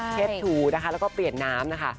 เช็ดถูนะคะแล้วก็เปลี่ยนน้ำนะคะ